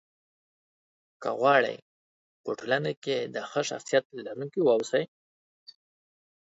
که غواړئ! په ټولنه کې د ښه شخصيت لرونکي واوسی